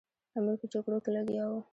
امیر په جګړو کې لګیا وو.